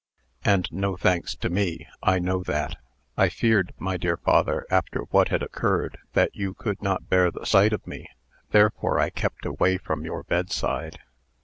"And no thanks to me, I know that. I feared, my dear father, after what had occurred, that you could not bear the sight of me. Therefore I kept away from your bedside."